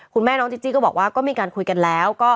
คุณแม่น้องจิจี้ก็บอกว่าก็มีการคุยกันแล้วก็